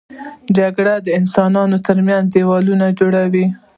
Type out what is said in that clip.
جګړه د انسانانو تر منځ دیوالونه جوړوي